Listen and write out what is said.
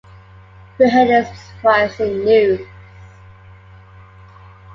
We heard a surprising news.